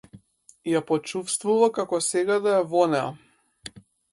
Ја почувствува како сега да е во неа.